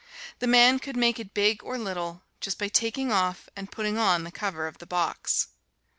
The man could make it big or little, by just taking off and putting on the cover of the box!